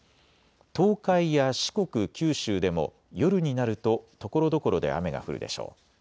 東海や四国、九州でも夜になるとところどころで雨が降るでしょう。